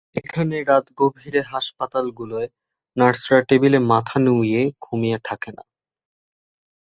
এখানে রাত গভীরে হাসপাতালগুলোয় নার্সরা টেবিলে মাথা নুইয়ে ঘুমিয়ে থাকেন না।